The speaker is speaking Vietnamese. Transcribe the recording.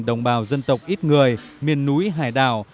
đồng bào dân tộc ít người miền núi hải đảo